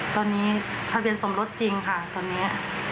ตอนนี้ทะเบียนสมรสจริงค่ะตอนนี้